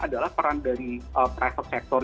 adalah peran dari private sector